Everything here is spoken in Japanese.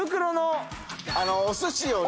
お寿司をね。